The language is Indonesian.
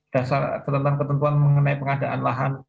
dasar tentang ketentuan mengenai pengadaan lahan